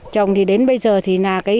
chồng thì đến bây giờ thì là cái